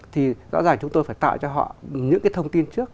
thì rõ ràng chúng tôi phải tạo cho họ những cái thông tin trước